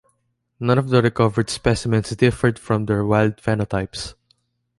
None of the recovered specimens differed from their wild phenotypes.